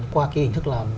qua cái hình thức là